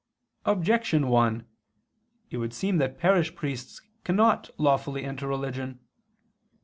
Objection 1: It would seem that parish priests cannot lawfully enter religion.